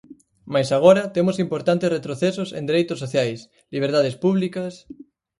Mais agora temos importantes retrocesos en dereitos sociais, liberdades públicas...